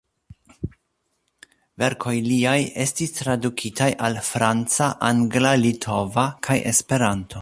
Verkoj liaj estis tradukitaj al franca, angla, litova kaj Esperanto.